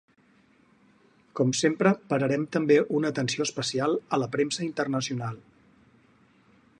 Com sempre pararem també una atenció especial a la premsa internacional.